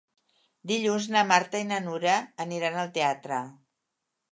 Dilluns na Marta i na Nura aniran al teatre.